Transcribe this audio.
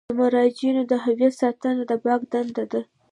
د مراجعینو د هویت ساتنه د بانک دنده ده.